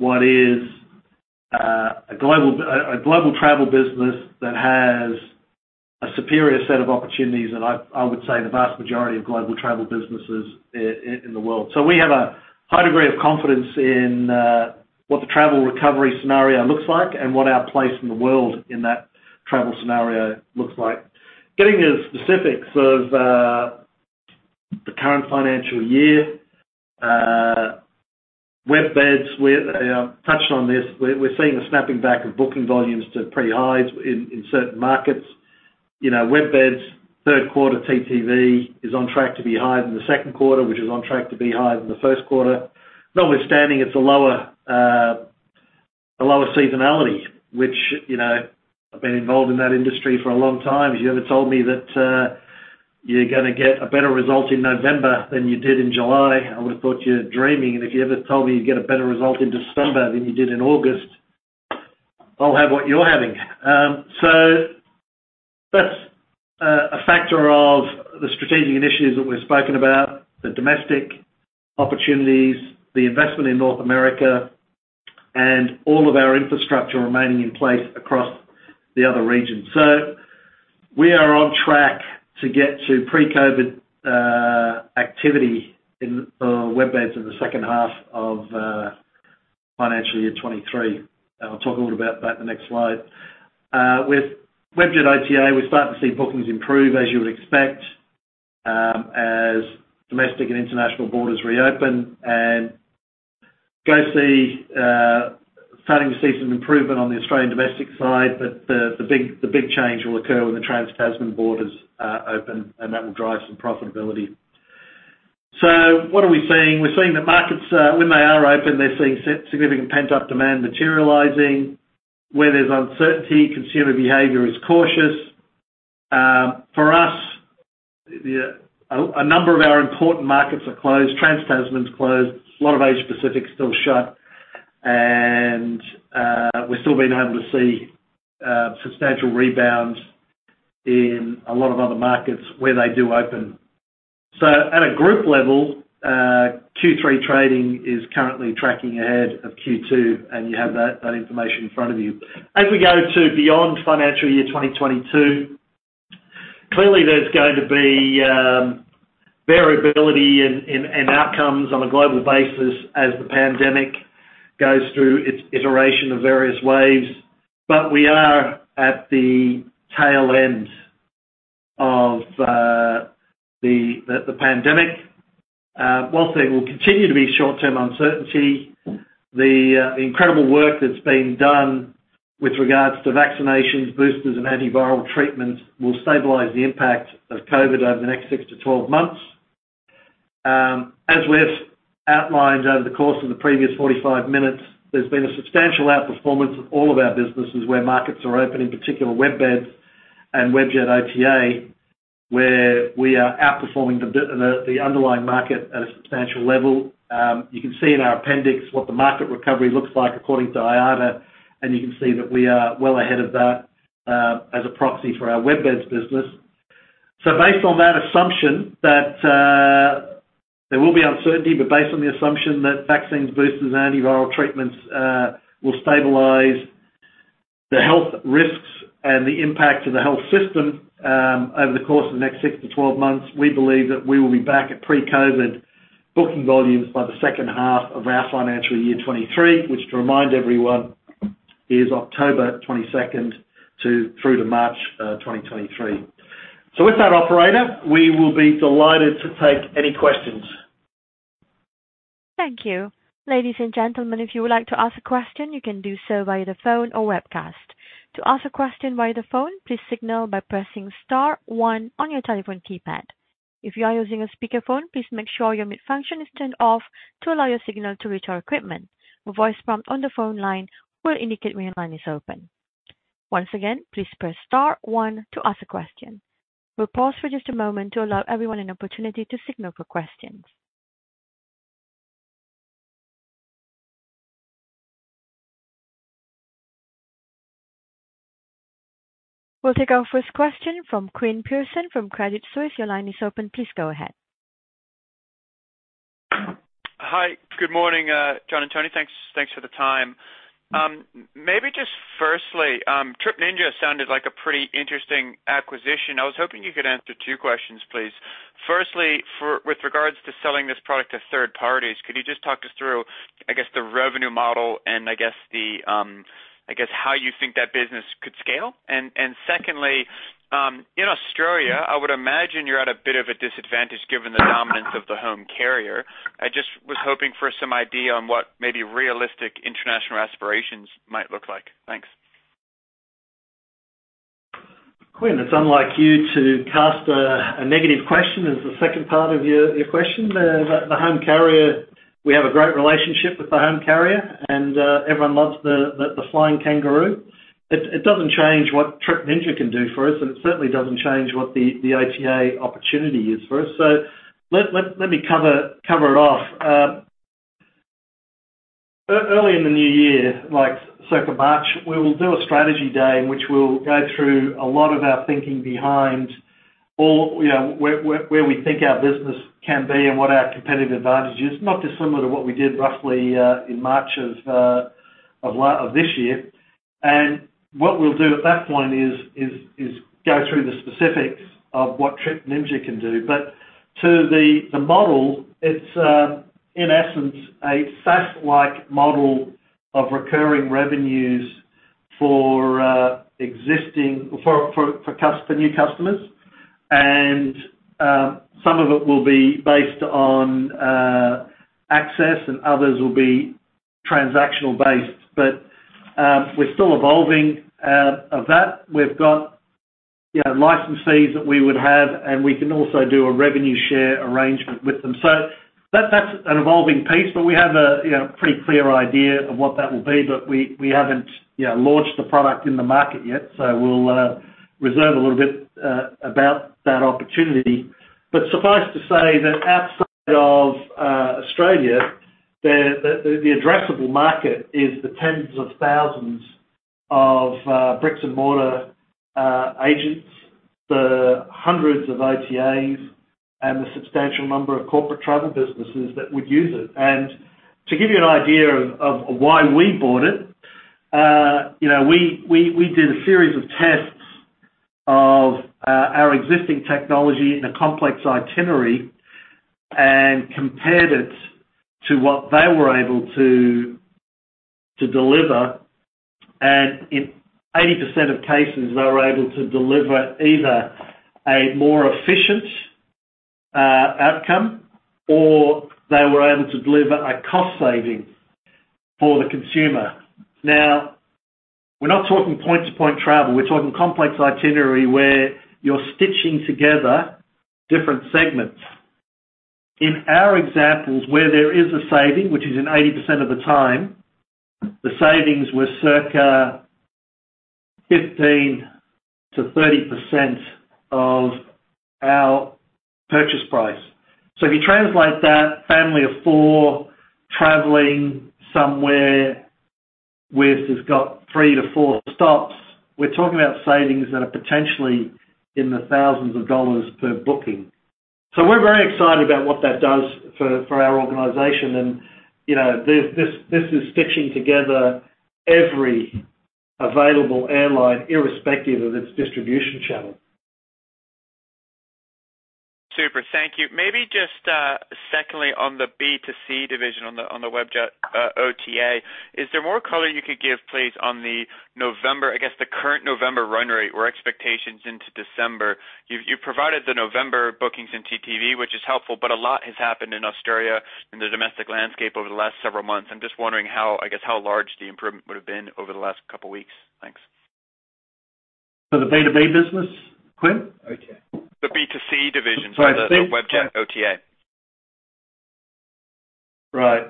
what is a global travel business that has a superior set of opportunities than I would say the vast majority of global travel businesses in the world. We have a high degree of confidence in what the travel recovery scenario looks like and what our place in the world in that travel scenario looks like. Getting into specifics of the current financial year. WebBeds, I touched on this. We're seeing the snapping back of booking volumes to pre-highs in certain markets. You know, WebBeds' third quarter TTV is on track to be higher than the second quarter, which is on track to be higher than the first quarter. Notwithstanding, it's a lower seasonality, which, you know, I've been involved in that industry for a long time. If you ever told me that you're gonna get a better result in November than you did in July, I would have thought you're dreaming. If you ever told me you'd get a better result in December than you did in August, I'll have what you're having. That's a factor of the strategic initiatives that we've spoken about, the domestic opportunities, the investment in North America, and all of our infrastructure remaining in place across the other regions. We are on track to get to pre-COVID activity in WebBeds in the second half of financial year 2023. I'll talk a little about that in the next slide. With Webjet OTA, we're starting to see bookings improve, as you would expect, as domestic and international borders reopen. GoSee starting to see some improvement on the Australian domestic side, but the big change will occur when the Trans-Tasman borders open, and that will drive some profitability. What are we seeing? We're seeing the markets when they are open, they're seeing significant pent-up demand materializing. Where there's uncertainty, consumer behavior is cautious. For us, a number of our important markets are closed. Trans-Tasman's closed. A lot of Asia-Pacific is still shut. We're still being able to see substantial rebounds in a lot of other markets where they do open. At a group level, Q3 trading is currently tracking ahead of Q2, and you have that information in front of you. As we go to beyond financial year 2022, clearly there's going to be variability in outcomes on a global basis as the pandemic goes through its iteration of various waves. We are at the tail end of the pandemic. While there will continue to be short-term uncertainty, the incredible work that's been done with regards to vaccinations, boosters, and antiviral treatments will stabilize the impact of COVID over the next six to 12 months. As we've outlined over the course of the previous 45 minutes, there's been a substantial outperformance of all of our businesses where markets are open, in particular WebBeds and Webjet OTA, where we are outperforming the underlying market at a substantial level. You can see in our appendix what the market recovery looks like according to IATA, and you can see that we are well ahead of that, as a proxy for our WebBeds business. Based on that assumption that there will be uncertainty, but based on the assumption that vaccines, boosters, antiviral treatments will stabilize the health risks and the impact to the health system over the course of the next six to 12 months, we believe that we will be back at pre-COVID booking volumes by the second half of our financial year 2023, which to remind everyone is October 22nd through to March 2023. With that operator, we will be delighted to take any questions. Thank you. Ladies and gentlemen, if you would like to ask a question, you can do so via the phone or webcast. To ask a question via the phone, please signal by pressing star one on your telephone keypad. If you are using a speakerphone, please make sure your mute function is turned off to allow your signal to reach our equipment. A voice prompt on the phone line will indicate when your line is open. Once again, please press star one to ask a question. We'll pause for just a moment to allow everyone an opportunity to signal for questions. We'll take our first question from Quinn Pierson from Credit Suisse. Your line is open. Please go ahead. Hi. Good morning, John and Tony. Thanks for the time. Maybe just firstly, Trip Ninja sounded like a pretty interesting acquisition. I was hoping you could answer two questions, please. Firstly, with regards to selling this product to third parties, could you just talk us through, I guess, the revenue model and I guess how you think that business could scale? And secondly, in Australia, I would imagine you're at a bit of a disadvantage given the dominance of the home carrier. I just was hoping for some idea on what maybe realistic international aspirations might look like. Thanks. Quinn, it's unlike you to cast a negative question as the second part of your question. The home carrier, we have a great relationship with the home carrier, and everyone loves the flying kangaroo. It doesn't change what Trip Ninja can do for us, and it certainly doesn't change what the ITA opportunity is for us. Let me cover it off. Early in the new year, like circa March, we will do a strategy day in which we'll go through a lot of our thinking behind all, you know, where we think our business can be and what our competitive advantage is, not dissimilar to what we did roughly in March of this year. What we'll do at that point is go through the specifics of what Trip Ninja can do. To the model, it's in essence a SaaS-like model of recurring revenues for new customers. Some of it will be based on access and others will be transactional based. We're still evolving out of that. We've got, you know, licensees that we would have, and we can also do a revenue share arrangement with them. That's an evolving piece, but we have a, you know, pretty clear idea of what that will be. We haven't, you know, launched the product in the market yet, so we'll reserve a little bit about that opportunity. Suffice to say that outside of Australia, the addressable market is the tens of thousands of bricks and mortar agents, the hundreds of OTAs, and the substantial number of corporate travel businesses that would use it. To give you an idea of why we bought it, you know, we did a series of tests of our existing technology in a complex itinerary and compared it to what they were able to deliver. In 80% of cases, they were able to deliver either a more efficient outcome or they were able to deliver a cost saving for the consumer. Now, we're not talking point-to-point travel. We're talking complex itinerary, where you're stitching together different segments. In our examples, where there is a saving, which is in 80% of the time, the savings were circa 15%-30% of our purchase price. If you translate that family of four traveling somewhere where it has got three to four stops, we're talking about savings that are potentially in the thousands of AUD per booking. We're very excited about what that does for our organization. You know, this is stitching together every available airline irrespective of its distribution channel. Super. Thank you. Maybe just secondly on the B2C division on the Webjet OTA. Is there more color you could give, please, on the November, I guess, the current November run rate or expectations into December? You've provided the November bookings in TTV, which is helpful, but a lot has happened in Australia in the domestic landscape over the last several months. I'm just wondering how, I guess, how large the improvement would have been over the last couple weeks. Thanks. For the B2B business, Quinn? The B2C division for the Webjet OTA. Right.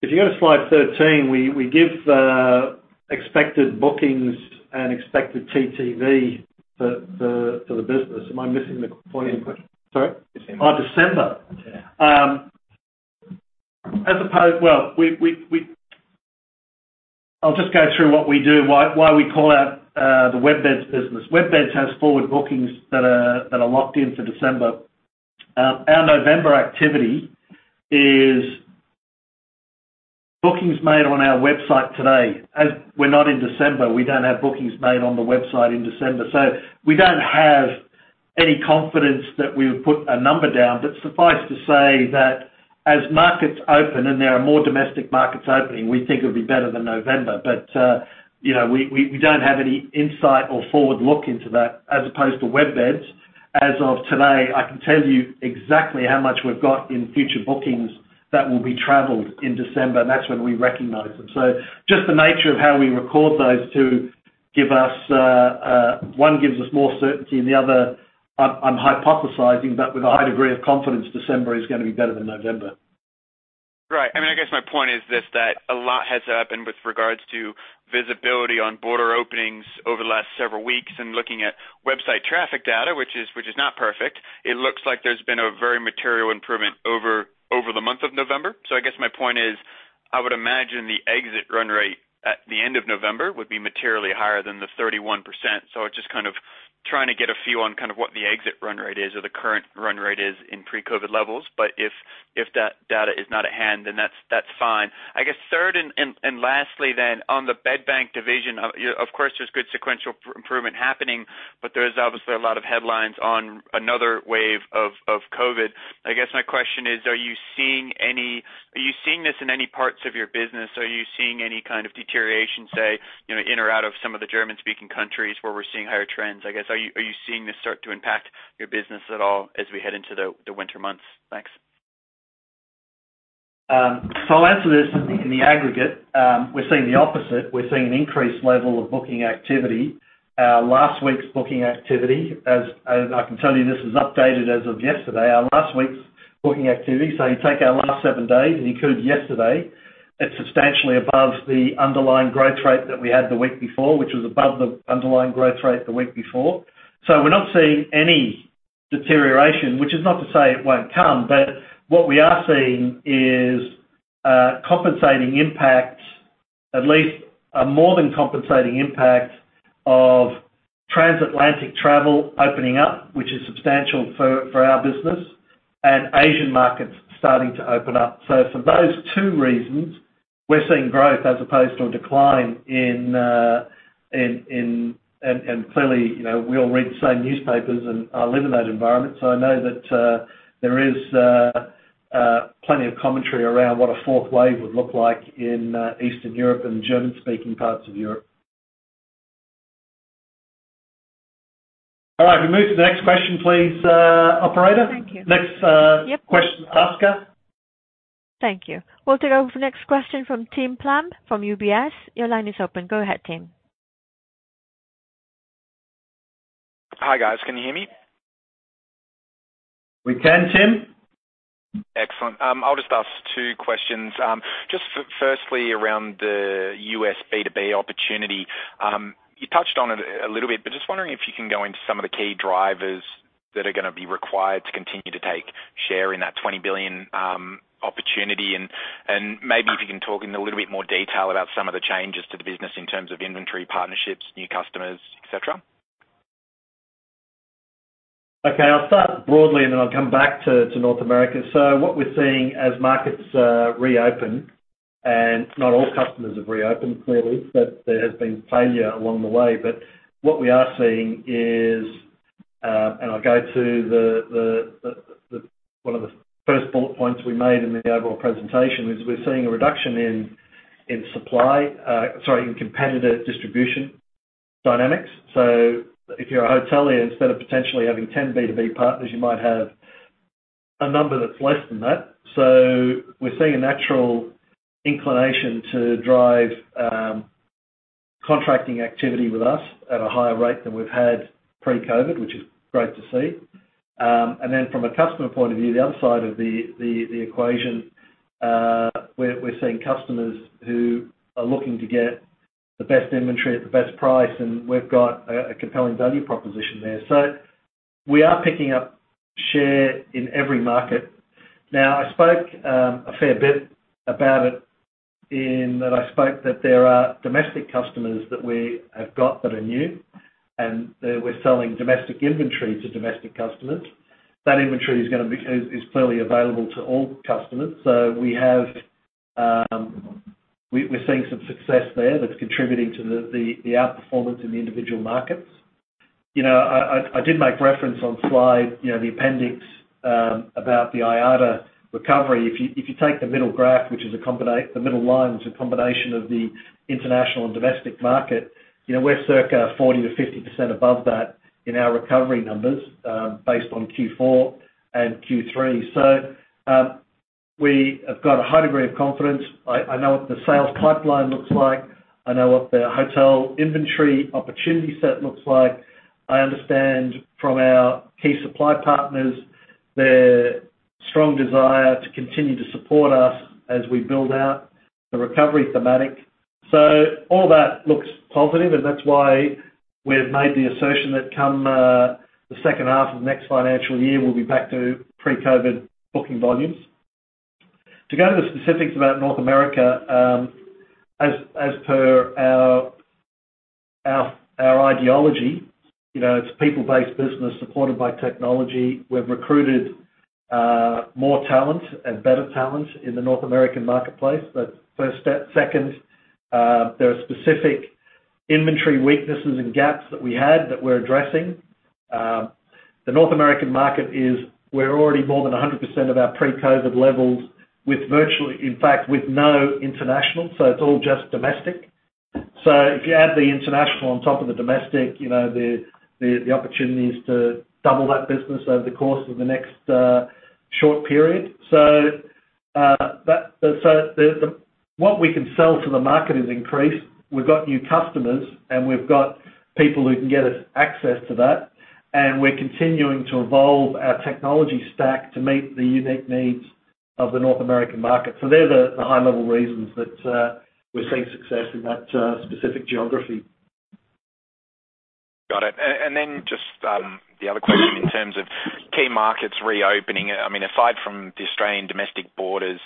If you go to Slide 13, we give expected bookings and expected TTV for the business. Am I missing the point in your question? Sorry. December. December. Well, we'll just go through what we do and why we call out the WebBeds business. WebBeds has forward bookings that are locked in for December. Our November activity is bookings made on our website today. As we're not in December, we don't have bookings made on the website in December. We don't have any confidence that we would put a number down. Suffice to say that as markets open and there are more domestic markets opening, we think it'll be better than November. You know, we don't have any insight or forward look into that as opposed to WebBeds. As of today, I can tell you exactly how much we've got in future bookings that will be traveled in December, and that's when we recognize them. Just the nature of how we record those two give us, one gives us more certainty and the other I'm hypothesizing, but with a high degree of confidence, December is gonna be better than November. Right. I mean, I guess my point is this, that a lot has happened with regards to visibility on border openings over the last several weeks and looking at website traffic data, which is not perfect. It looks like there's been a very material improvement over the month of November. I guess my point is. I would imagine the exit run rate at the end of November would be materially higher than the 31%. I'm just kind of trying to get a feel on kind of what the exit run rate is or the current run rate is in pre-COVID levels. If that data is not at hand, then that's fine. I guess third and lastly then on the bed bank division, you know, of course, there's good sequential improvement happening, but there's obviously a lot of headlines on another wave of COVID. I guess my question is, are you seeing this in any parts of your business? Are you seeing any kind of deterioration, say, you know, in or out of some of the German-speaking countries where we're seeing higher trends? I guess, are you seeing this start to impact your business at all as we head into the winter months? Thanks. I'll answer this in the aggregate. We're seeing the opposite. We're seeing an increased level of booking activity. Last week's booking activity, as I can tell you, this is updated as of yesterday. Our last week's booking activity, so you take our last seven days and you include yesterday, it's substantially above the underlying growth rate that we had the week before, which was above the underlying growth rate the week before. We're not seeing any deterioration, which is not to say it won't come. What we are seeing is compensating impact, at least a more than compensating impact of transatlantic travel opening up, which is substantial for our business and Asian markets starting to open up. For those two reasons, we're seeing growth as opposed to a decline in. Clearly, you know, we all read the same newspapers, and I live in that environment, so I know that there is plenty of commentary around what a fourth wave would look like in Eastern Europe and German-speaking parts of Europe. All right, we move to the next question, please, operator. Thank you. Next. Yep Question, Oscar. Thank you. We'll take over the next question from Tim Plumbe from UBS. Your line is open. Go ahead, Tim. Hi, guys. Can you hear me? We can, Tim. Excellent. I'll just ask two questions. Just firstly around the U.S. B2B opportunity. You touched on it a little bit, but just wondering if you can go into some of the key drivers that are gonna be required to continue to take share in that $20 billion opportunity. And maybe if you can talk in a little bit more detail about some of the changes to the business in terms of inventory, partnerships, new customers, et cetera. Okay. I'll start broadly, and then I'll come back to North America. What we're seeing as markets reopen, and not all customers have reopened clearly, but there has been failure along the way. What we are seeing is, and I'll go to one of the first bullet points we made in the overall presentation, is we're seeing a reduction in competitor distribution dynamics. If you're a hotelier, instead of potentially having 10 B2B partners, you might have a number that's less than that. We're seeing a natural inclination to drive contracting activity with us at a higher rate than we've had pre-COVID, which is great to see. From a customer point of view, the other side of the equation, we're seeing customers who are looking to get the best inventory at the best price, and we've got a compelling value proposition there. We are picking up share in every market. I spoke a fair bit about it, that there are domestic customers that we have got that are new, and we're selling domestic inventory to domestic customers. That inventory is clearly available to all customers. We're seeing some success there that's contributing to the outperformance in the individual markets. You know, I did make reference on slide, you know, the appendix, about the IATA recovery. If you take the middle line, which is a combination of the international and domestic market, you know, we're circa 40%-50% above that in our recovery numbers, based on Q4 and Q3. We have got a high degree of confidence. I know what the sales pipeline looks like. I know what the hotel inventory opportunity set looks like. I understand from our key supply partners their strong desire to continue to support us as we build out the recovery thematic. All that looks positive, and that's why we've made the assertion that come the second half of next financial year, we'll be back to pre-COVID booking volumes. To go to the specifics about North America, as per our ideology, you know, it's people-based business supported by technology. We've recruited more talent and better talent in the North American marketplace. That's first step. Second, there are specific inventory weaknesses and gaps that we had that we're addressing. The North American market, we're already more than 100% of our pre-COVID levels with, in fact, no international, so it's all just domestic. If you add the international on top of the domestic, you know, the opportunity is to double that business over the course of the next short period. What we can sell to the market is increased. We've got new customers, and we've got people who can get us access to that, and we're continuing to evolve our technology stack to meet the unique needs of the North American market. They're the high-level reasons that we're seeing success in that specific geography. Just the other question in terms of key markets reopening. I mean, aside from the Australian domestic borders,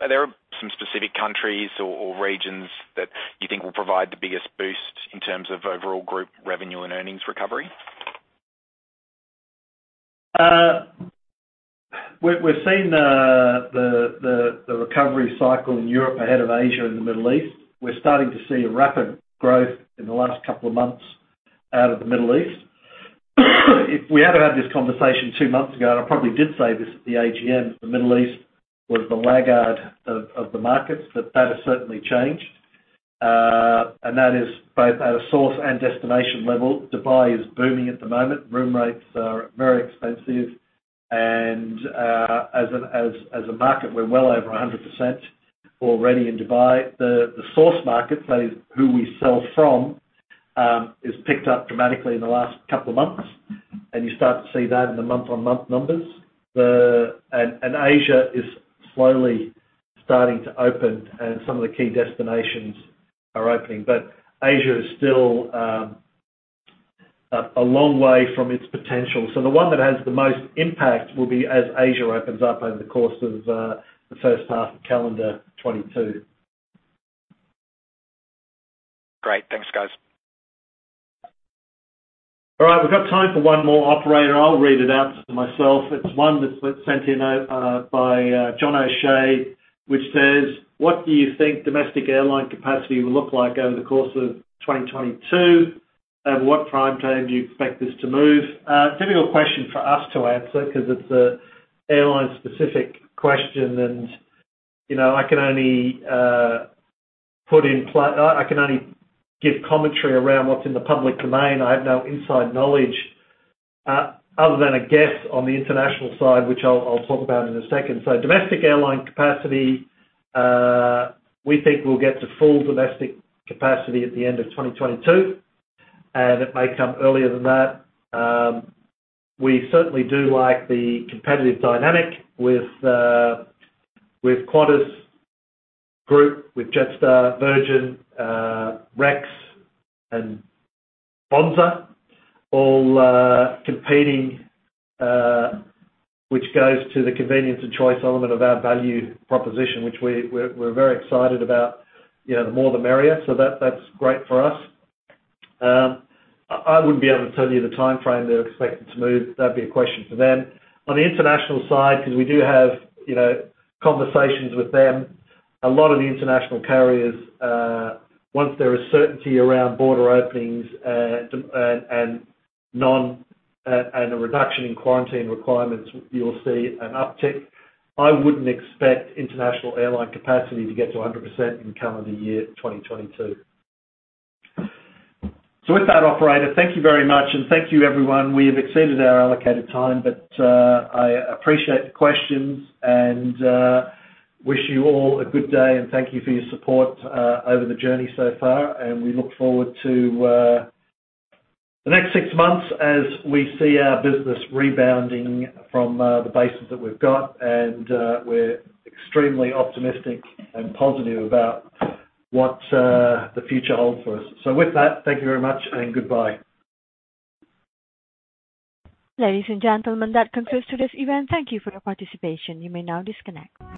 are there some specific countries or regions that you think will provide the biggest boost in terms of overall group revenue and earnings recovery? We're seeing the recovery cycle in Europe ahead of Asia and the Middle East. We're starting to see rapid growth in the last couple of months out of the Middle East. If we hadn't had this conversation two months ago, and I probably did say this at the AGM, the Middle East was the laggard of the markets, but that has certainly changed. That is both at a source and destination level. Dubai is booming at the moment. Room rates are very expensive. As a market, we're well over 100% already in Dubai. The source market, that is who we sell from, has picked up dramatically in the last couple of months. You start to see that in the month-on-month numbers. Asia is slowly starting to open, and some of the key destinations are opening. Asia is still a long way from its potential. The one that has the most impact will be as Asia opens up over the course of the first half of calendar 2022. Great. Thanks, guys. All right, we've got time for one more, operator. I'll read it out myself. It's one that's been sent in by John O'Shea, which says: What do you think domestic airline capacity will look like over the course of 2022? Over what timeframe do you expect this to move? Difficult question for us to answer 'cause it's a airline-specific question. You know, I can only give commentary around what's in the public domain. I have no inside knowledge other than a guess on the international side, which I'll talk about in a second. Domestic airline capacity, we think we'll get to full domestic capacity at the end of 2022, and it may come earlier than that. We certainly do like the competitive dynamic with Qantas Group, with Jetstar, Virgin, Rex and Bonza all competing, which goes to the convenience and choice element of our value proposition, which we're very excited about. You know, the more the merrier. That's great for us. I wouldn't be able to tell you the timeframe they're expecting to move. That'd be a question for them. On the international side, 'cause we do have, you know, conversations with them. A lot of the international carriers, once there is certainty around border openings and a reduction in quarantine requirements, you'll see an uptick. I wouldn't expect international airline capacity to get to 100% in calendar year 2022. With that, operator, thank you very much. Thank you, everyone. We have exceeded our allocated time. I appreciate the questions and wish you all a good day, and thank you for your support over the journey so far. We look forward to the next six months as we see our business rebounding from the basis that we've got. We're extremely optimistic and positive about what the future holds for us. With that, thank you very much and goodbye. Ladies and gentlemen, that concludes today's event. Thank you for your participation. You may now disconnect.